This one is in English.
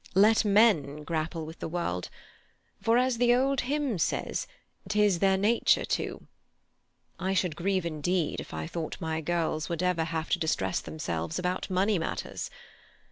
"Let men grapple with the world; for, as the old hymn says, "'tis their nature to." I should grieve indeed if I thought my girls would ever have to distress themselves about money matters.